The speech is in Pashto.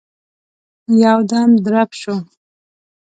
يودم درب شو.